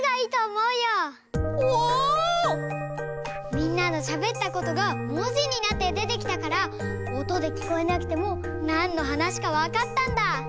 みんなのしゃべったことがもじになってでてきたからおとできこえなくてもなんのはなしかわかったんだ。